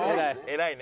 偉いね。